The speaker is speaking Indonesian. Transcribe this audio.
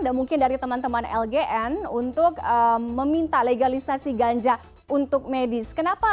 dan mungkin dari teman teman lgn untuk meminta legalisasi ganja untuk medis